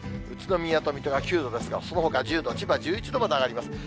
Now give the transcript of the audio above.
宇都宮と水戸が９度ですが、そのほか１０度、千葉１１度まで上がります。